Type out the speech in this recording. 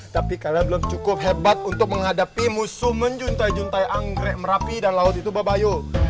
tapi kalian belum cukup hebat untuk menghadapi musuh menjuntai juntai anggrek merapi dan laut itu babayu